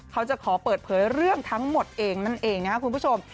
เขาจะขอเปิดเผยเรื่องทั้งหมดเองนั่นเองนะครับคุณผู้ชม